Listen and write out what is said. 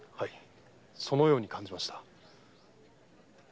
そのように感じました。